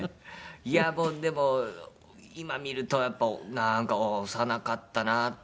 いやもうでも今見るとやっぱなんか幼かったなって思いますね。